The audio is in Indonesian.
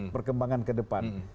perkembangan ke depan